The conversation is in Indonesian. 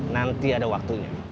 nanti ada waktunya